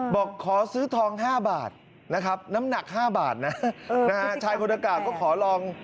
บอกขอซื้อทอง๕บาทนะครับน้ำหนัก๕บาทนะฮะใช้คุณศักดิ์การก็ขอลอง